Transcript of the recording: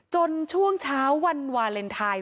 ช่วงเช้าวันวาเลนไทย